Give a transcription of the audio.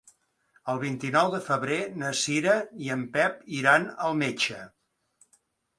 El vint-i-nou de febrer na Cira i en Pep iran al metge.